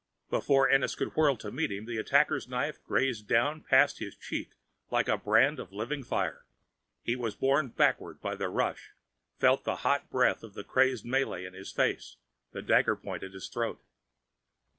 Before Ennis could whirl to meet him, the attacker's knife grazed down past his cheek like a brand of living fire. He was borne backward by the rush, felt the hot breath of the crazed Malay in his face, the dagger point at his throat.